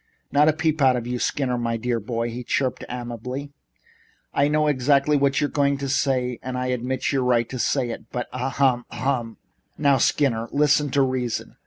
"Not a peep out of you, Skinner, my dear boy," he chirped amiably. "I know exactly what you're going to say and I admit your right to say it, but as ahem! Harumph h h! now, Skinner, listen to reason.